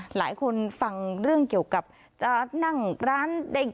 หลายคนฟังเรื่องเกี่ยวกับจะนั่งร้านได้กี่โมงอะไรงั้น